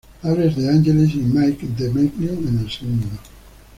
Alex De Angelis y Mike Di Meglio en el segundo.